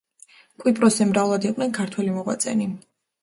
კვიპროსზე მრავლად იყვნენ ქართველი მოღვაწენი.